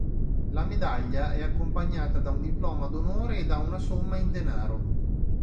La medaglia è accompagnata da un diploma d'onore e da una somma in denaro.